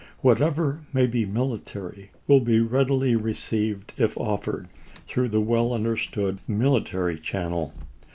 Whatever may be military will be readily received if offered through the well understood military channel.